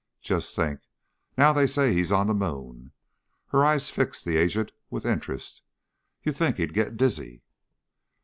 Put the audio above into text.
"Just think, now they say he's on the moon." Her eyes fixed the agent with interest "You'd think he'd get dizzy."